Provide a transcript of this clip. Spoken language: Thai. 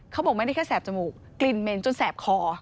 เขาบอกไม่ได้แค่แสบจมูกกลิ่นเหม็นจนแสบคอ